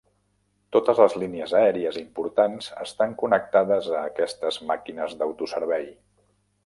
Totes les línies aèries importants estan connectades a aquestes màquines d'autoservei.